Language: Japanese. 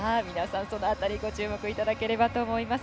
その辺りをご注目いただければと思います。